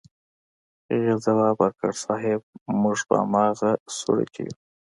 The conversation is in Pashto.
هغې ځواب ورکړ صيب موږ په امغه سوړه کې يو.